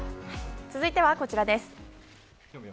続いてはこちらです。